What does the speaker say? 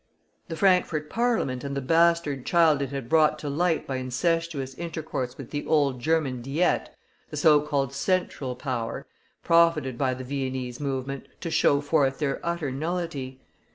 The Frankfort Parliament and the bastard child it had brought to light by incestuous intercourse with the old German Diet, the so called Central Power, profited by the Viennese movement to show forth their utter nullity.